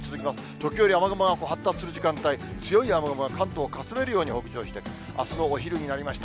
時折、雨雲が発達する時間帯、強い雨雲が関東をかすめるように北上して、あすのお昼になりました。